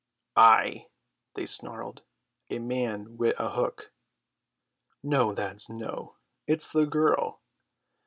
"Ay," they snarled, "a man wi' a hook." "No, lads, no, it's the girl.